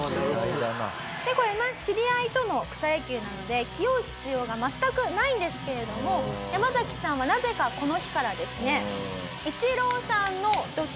でこれまあ知り合いとの草野球なので気負う必要が全くないんですけれどもヤマザキさんはなぜかこの日からですね。